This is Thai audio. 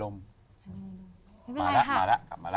มาล่ะมาล่ะ